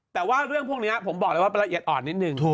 แต่ว่าเรื่องพวกนี้ผมบอกเลยว่าเป็นละเอียดอ่อนนิดนึง